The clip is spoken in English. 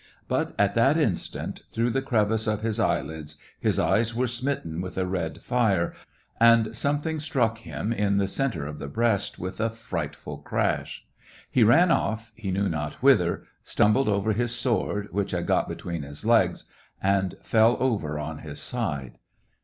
But at that instant, through the crevice of his eyelids, his eyes were smitten with a red fire, and something struck him in the centre of the breast, with a frightful crash ; he ran off, he knew not whither, stumbled over his sword, which had got between his legs, and fell over on his side.